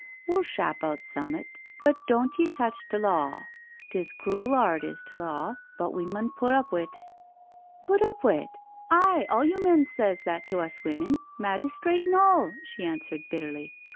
We'll shap out summat, but doant ye touch t'law — 'tis crool 'ard is t'law, but we mun put up wi't." " Put up wi't I Aye, all you men sez that to us women— majistrit an' all," she answered bitterly.